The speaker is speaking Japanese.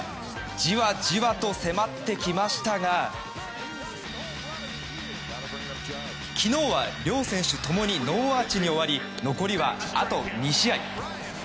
じわじわと迫ってきましたが昨日は両選手ともにノーアーチに終わり残りは、あと２試合。